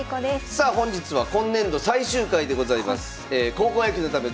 さあ本日は今年度最終回でございます。